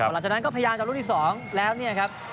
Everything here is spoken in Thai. หลังจากนั้นก็พยายามจะรุ่นที่๒แล้วเนี่ยครับ